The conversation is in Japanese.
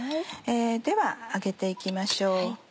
では揚げて行きましょう。